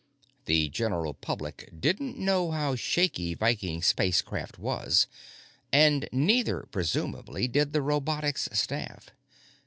The general public didn't know how shaky Viking Spacecraft was, and neither, presumably, did the robotics staff.